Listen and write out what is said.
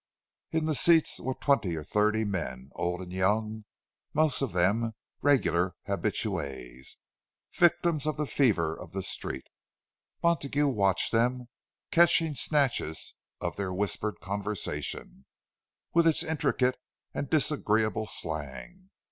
In the seats were twenty or thirty men, old and young; most of them regular habitués, victims of the fever of the Street. Montague watched them, catching snatches of their whispered conversation, with its intricate and disagreeable slang.